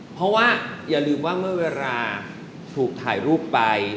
เพราะว่าอย่าลืมว่าเมื่อเวลาถูกถ่ายรูปไป